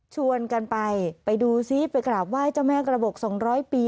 ชวนกันไปไปดูซิไปกราบไหว้เจ้าแม่กระบบ๒๐๐ปี